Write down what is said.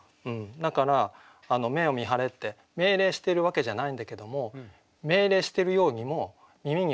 だから「目を見張れ」って命令してるわけじゃないんだけども命令してるようにも耳には聞こえると。